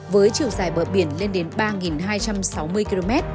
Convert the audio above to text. với chiều dài bờ biển lên đến ba hai trăm sáu mươi km